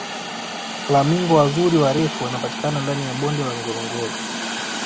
flamingo wazuri warefu wanapatikana ndani ya bonde la ngorongoro